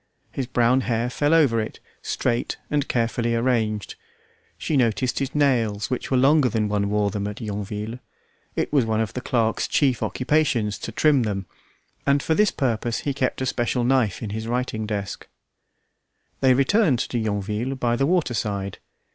His brown hair fell over it, straight and carefully arranged. She noticed his nails which were longer than one wore them at Yonville. It was one of the clerk's chief occupations to trim them, and for this purpose he kept a special knife in his writing desk. They returned to Yonville by the water side.